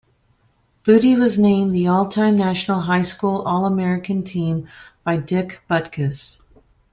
Booty was named to the All-Time National High School All-American team by Dick Butkus.